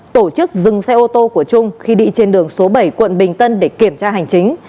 tổ chức dừng xe ô tô của trung khi đi trên đường số bảy quận bình tân để kiểm tra hành chính